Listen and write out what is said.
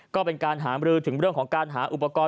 ก็เป็นการหามรือถึงเรื่องของการหาอุปกรณ์